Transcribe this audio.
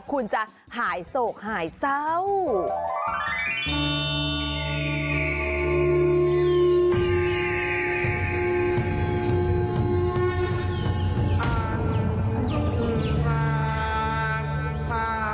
คุณจะหายโศกหายเศร้า